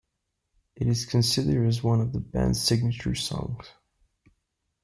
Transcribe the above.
It is considered as one of the band's signature songs.